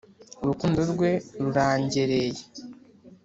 urukundo rwe rurangereye